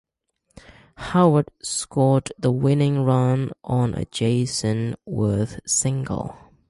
Howard scored the winning run on a Jayson Werth single.